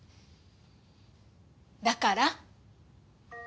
だから？